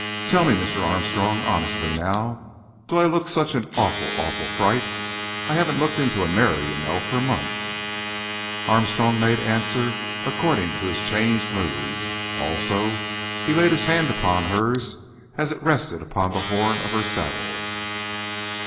Tell me, Mr. Armstrong—honestly, now —do I look such an awful, awful fright? I haven't looked into a mirror, you know, for months." Armstrong made answer according to his changed moods. Also he laid his hand upon hers as it rested upon the horn of her saddle.